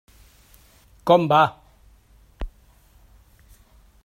Com va?